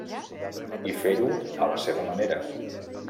I fer-ho a la seva manera.